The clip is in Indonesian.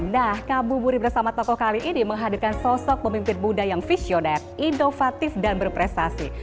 nah kabu buri bersama tokoh kali ini menghadirkan sosok pemimpin muda yang visioner inovatif dan berprestasi